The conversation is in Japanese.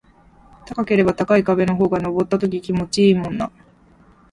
高ければ高い壁の方が登った時気持ちいいもんな